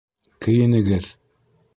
Кейенегеҙ!